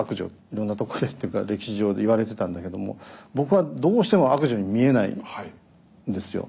いろんなとこでっていうか歴史上でいわれてたんだけども僕はどうしても悪女に見えないんですよ。